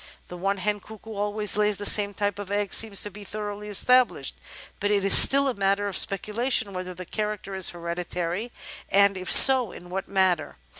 That one hen cuckoo always lays the same type of egg seems to be thoroughly established, but it is still a matter of speculation whether the character is hereditary and, if so, in what manner.